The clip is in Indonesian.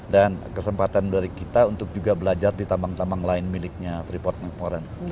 dan kesempatan dari kita untuk juga belajar di tambang tambang lain miliknya report mac moran